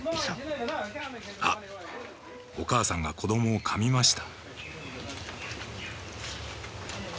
あっ、お母さんが子供をかみました。